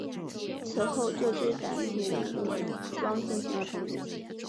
此后这支掸族武装进行了重组。